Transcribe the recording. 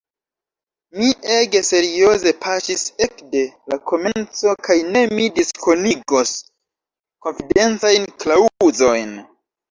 Mi ege serioze paŝis ekde la komenco kaj ne mi diskonigos konfidencajn klaŭzojn.